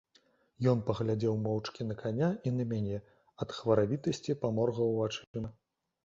Ён паглядзеў моўчкі на каня і на мяне, ад хваравітасці паморгаў вачыма.